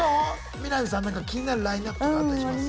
みな実さんなんか気になるラインナップとかあったりします？